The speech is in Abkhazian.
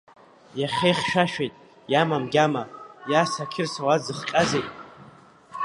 Иахьа ихьшәашәеит, иамам гьама, Иаса Қьырса уа дзыхҟьазеи?